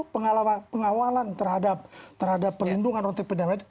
pengawalan terhadap pelindungan untuk pidana mati